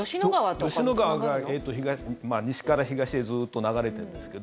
吉野川が西から東へずっと流れてるんですけど